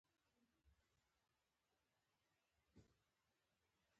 آیا د زورخانې لوبه لرغونې نه ده؟